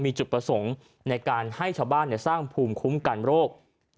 มีจุดประสงค์ในการให้ชาวบ้านสร้างภูมิคุ้มกันโรค